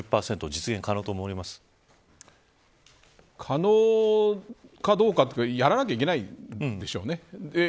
実現可能と可能かどうかってやらなきゃいけないんでしょうね。